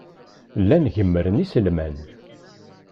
Llan gemmren iselman.